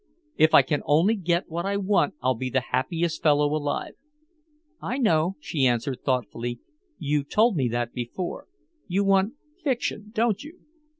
"If I can only get what I want I'll be the happiest fellow alive!" "I know," she answered thoughtfully. "You told me that before. You want fiction, don't you."